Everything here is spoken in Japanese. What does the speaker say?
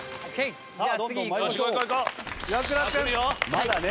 まだね。